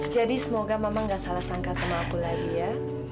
jadi semoga mama gak salah sangka sama aku lagi ya